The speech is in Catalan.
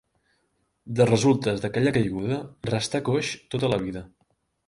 De resultes d'aquella caiguda restà coix tota la vida.